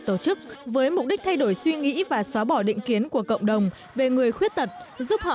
tổ chức với mục đích thay đổi suy nghĩ và xóa bỏ định kiến của cộng đồng về người khuyết tật giúp họ